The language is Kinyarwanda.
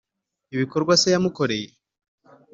ibikorwa se yamukoreye.